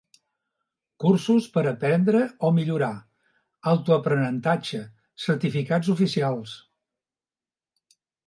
Cursos per aprendre o millorar, autoaprenentatge, certificats oficials...